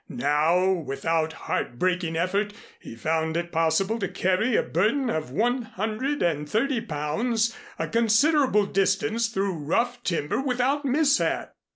Now, without heart breaking effort, he found it possible to carry a burden of one hundred and thirty pounds a considerable distance through rough timber without mishap!